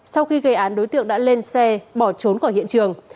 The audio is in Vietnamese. sau khi gây án đối tượng đã lên xe bỏ trốn khỏi hiện trường